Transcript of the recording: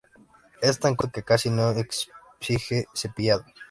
Es tan corto que casi no exige cepillado.